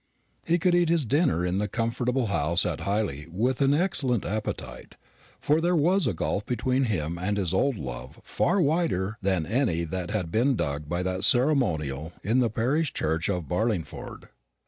He could eat his dinner in the comfortable house at Hyley with an excellent appetite; for there was a gulf between him and his old love far wider than any that had been dug by that ceremonial in the parish church of Barlingford.